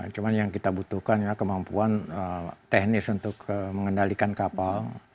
cuma yang kita butuhkan adalah kemampuan teknis untuk mengendalikan kapal